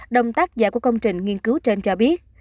đồng tác giả của công trình nghiên cứu trên cho biết